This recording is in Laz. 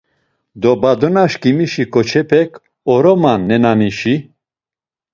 Dobadona çkimişi ǩoçepek oroman nenanişi.